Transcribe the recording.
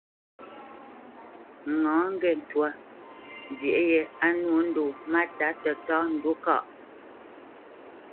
Ŋâ ŋgê ntwá nzyê yē á nwô ndo máta tətá ndǔ kâʼ.